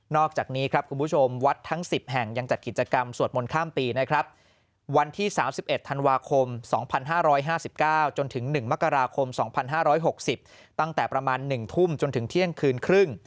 อกจากนี้ครับคุณผู้ชมวัดทั้ง๑๐แห่งยังจัดกิจกรรมสวดมนต์ข้ามปีนะครับวันที่๓๑ธันวาคม๒๕๕๙จนถึง๑มกราคม๒๕๖๐ตั้งแต่ประมาณ๑ทุ่มจนถึงเที่ยงคืนครึ่ง